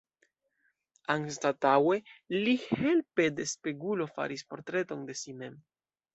Anstataŭe, li helpe de spegulo faris portreton de si mem.